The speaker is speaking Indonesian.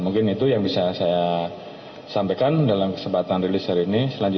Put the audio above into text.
mungkin itu yang bisa saya sampaikan dalam kesempatan rilis hari ini